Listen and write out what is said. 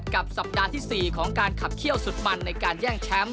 สัปดาห์ที่๔ของการขับเขี้ยวสุดมันในการแย่งแชมป์